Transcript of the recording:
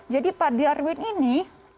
jadi pak darwin ini